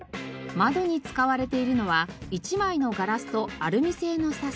窓に使われているのは１枚のガラスとアルミ製のサッシ。